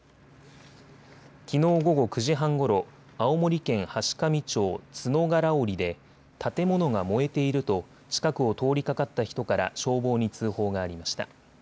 きのう午後９時半ごろ、青森県階上町角柄折で建物が燃えていると近くを通りかかった人から消防に通報がありました。